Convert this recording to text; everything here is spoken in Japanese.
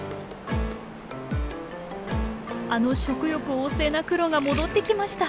あの食欲旺盛なクロが戻ってきました。